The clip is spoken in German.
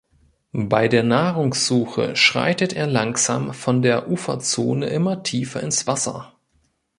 Bei der Nahrungssuche schreitet er langsam von der Uferzone immer tiefer ins Wasser.